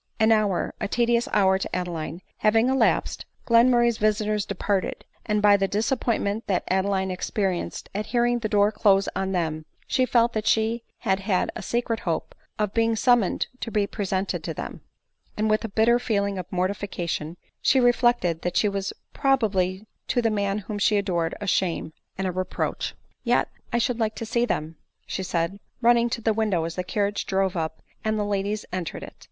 An hour, a tedious hour to Adeline, having elasped, Glenmurray's visiters departed ; and by the disappoint ment that Adeline experienced at hearing the door close on them, she felt that she had had a secret hope of be ing summoned to be presented them ; and, with a bitter «3R 152 , ADELINE MOWBRAY. feeling of mortification, she reflected that she was proba bly to the man whom she adored a shame and a re proach. " Yet I should like to see them,' 9 she said, running to the window as the carriage drove up, and the ladies en tered it.